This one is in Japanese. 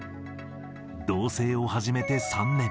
同せいを始めて３年。